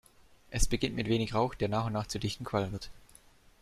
Es beginnt mit wenig Rauch, der nach und nach zu dichtem Qualm wird.